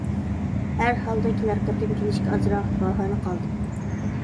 ھەر ھالدا كېلەر قېتىم كېلىشكە ئازراق باھانە قالدى.